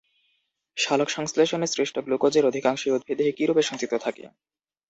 সালোকসংশ্লেষণে সৃষ্ট গ্লুকোজের অধিকাংশই উদ্ভিদদেহে কীরূপে সঞ্চিত থাকে?